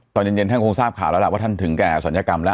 ตอนเย็นท่านคงทราบข่าวแล้วล่ะว่าท่านถึงแก่ศัลยกรรมแล้ว